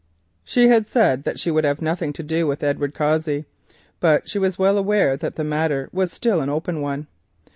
She had said that she would have nothing to do with Edward Cossey, but she was well aware that the matter was still an open one.